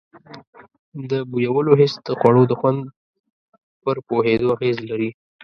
د بویولو حس د خوړو د خوند پر پوهېدو اغیز لري.